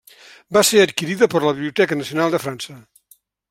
Va ser adquirida per la Biblioteca Nacional de França.